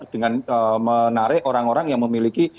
dengan menarik orang orang yang memiliki